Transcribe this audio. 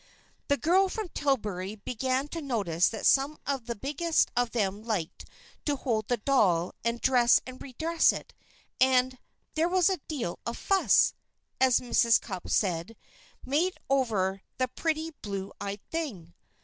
The girl from Tillbury began to notice that some of the biggest of them liked to hold the doll and dress and redress it; and "there was a deal of fuss," as Mrs. Cupp said, made over the pretty blue eyed thing.